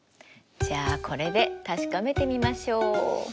じゃあこれで確かめてみましょう。